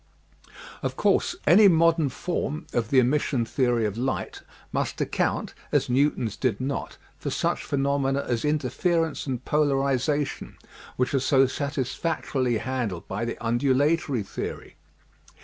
Of course any modern form of the emission theory of light must account, as Newton's did not, for such phenomena as interference and polarization, which are so satisfactorily handled by the undulatory theory.